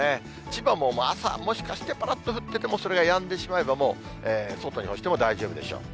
千葉も朝、もしかしてぱらっと降ってても、それがやんでしまえば、外に干しても大丈夫でしょう。